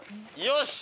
よし！